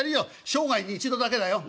生涯に一度だけだよ。